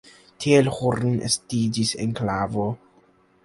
Tiel Horn estiĝis enklavo.